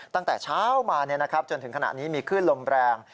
ตั้งแต่เช้ามาจนถึงขณะนี้มีคลื่นลมแรง